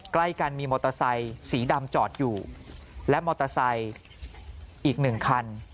ใกล้กันมีมอเตอร์ไซค์สีดำจอดอยู่และมอเตอร์ไซค์อีกหนึ่งคัน